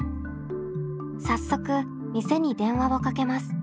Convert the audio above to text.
早速店に電話をかけます。